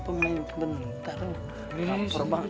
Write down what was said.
enggak saya yang kekenyangan